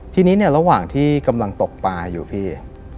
ทีนี้เนี่ยระหว่างที่กำลังตกปลาอยู่พี่